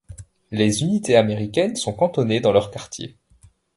Les unités américaines sont cantonnées dans leurs quartiers.